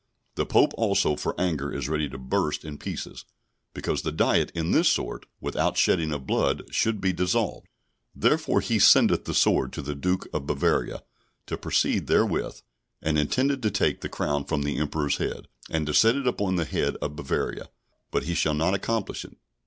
The Pope also for anger is ready to burst in pieces, because the Diet, in this sort, without shedding of blood, should be dissolved; therefore he sendeth the sword to the Duke of Bavaria, to proceed therewith, and intendeth to take the crown from the Emperor's head, and to set it upon the head of Bavaria; but he shall not accomplish it.